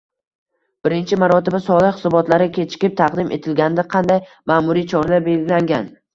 birinchi marotaba soliq hisobotlari kechikib taqdim etilganda qanday ma’muriy choralar belgilangan?